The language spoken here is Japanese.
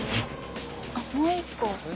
あっもう１個。